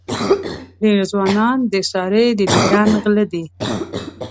ډېر ځوانان د سارې د دیدن غله دي.